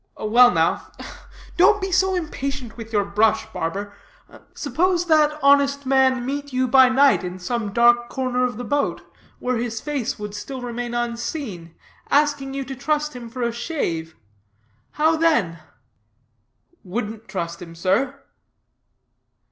"Well now don't be so impatient with your brush, barber suppose that honest man meet you by night in some dark corner of the boat where his face would still remain unseen, asking you to trust him for a shave how then?" "Wouldn't trust him, sir."